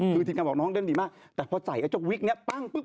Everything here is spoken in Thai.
คือทีมการบอกน้องเล่นดีมากแต่พอใส่ไอ้เจ้าวิกนี้ปั้งปุ๊บ